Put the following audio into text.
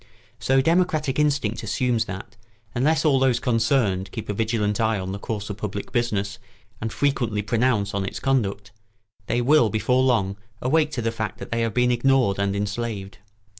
So democratic instinct assumes that, unless all those concerned keep a vigilant eye on the course of public business and frequently pronounce on its conduct, they will before long awake to the fact that they have been ignored and enslaved.